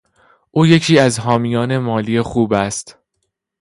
او یکی از حامیان مالی خوب است.